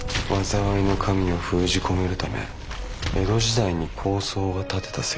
「災いの神を封じ込めるため江戸時代に高僧が建てた石碑。